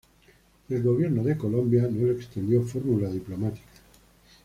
El gobierno de Colombia no le extendió fórmula diplomática.